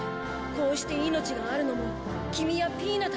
こうして命があるのもキミやピイナたちのおかげだ。